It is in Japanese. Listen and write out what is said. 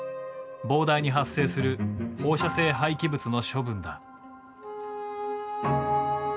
膨大に発生する放射性廃棄物の処分だ。